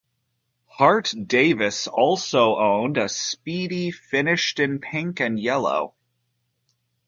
Hart-Davis also owned a Speedy, finished in pink and yellow.